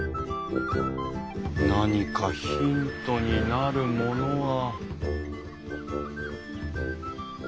何かヒントになるものは。